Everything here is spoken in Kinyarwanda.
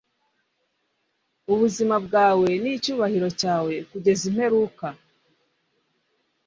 Ubuzima bwawe nicyubahiro cyawe kugeza imperuka